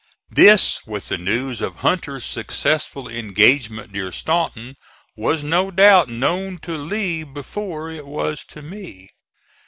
This, with the news of Hunter's successful engagement near Staunton, was no doubt known to Lee before it was to me.